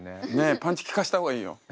パンチ効かせた方がいいよ。